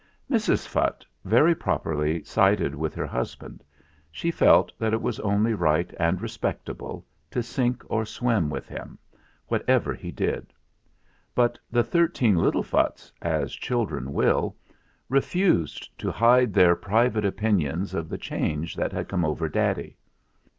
Mrs. Phutt very properly sided with her hus band. She felt that it was only right and respectable to sink or swim with him, what ever he did; but the thirteen little Phutts, as children will, refused to hide their private opinions of the change that had come over daddy.